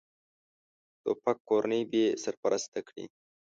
توپک کورنۍ بېسرپرسته کړي.